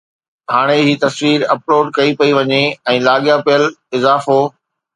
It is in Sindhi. ھاڻي ھي تصوير اپلوڊ ڪئي پئي وڃي ۽ لاڳاپيل اضافو